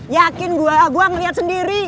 yakin gua gua ngeliat sendiri